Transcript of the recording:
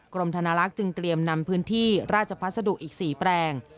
กรมธนลักษณ์จึงเตรียมนำพื้นที่ราชพัสดุอีก๔แปลง